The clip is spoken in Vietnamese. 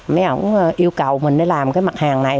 mấy ông yêu cầu mình để làm cái mặt hàng này